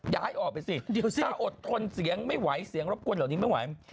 ย้ายออกไปสิถ้าอดทนเสียงไม่ไหวเสียงรบกวนเหล่านี้ไม่ไหว